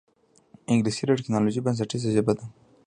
انګلیسي د ټکنالوجۍ بنسټیزه ژبه ده